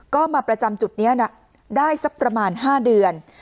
ก็มาประจำจุดนี้ได้สักประมาณ๕เดือน